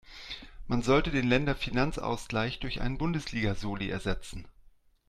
Man sollte den Länderfinanzausgleich durch einen Bundesliga-Soli ersetzen.